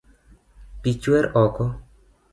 Pii chwer oko